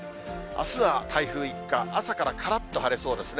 あすは台風一過、朝からからっと晴れそうですね。